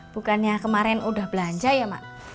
bukannya kemarin udah belanja ya mak